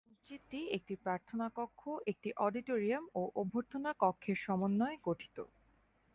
মসজিদটি একটি প্রার্থনা কক্ষ, একটি অডিটোরিয়াম ও অভ্যর্থনা কক্ষের সমন্বয়ে গঠিত।